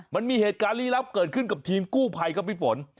มันมีเหตุการณ์ลี้ลับเกิดขึ้นกับทีมกู้ภัยครับพี่ฝน